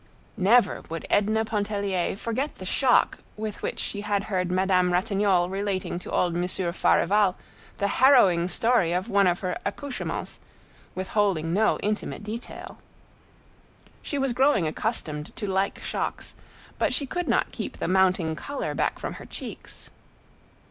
Never would Edna Pontellier forget the shock with which she heard Madame Ratignolle relating to old Monsieur Farival the harrowing story of one of her accouchements, withholding no intimate detail. She was growing accustomed to like shocks, but she could not keep the mounting color back from her cheeks.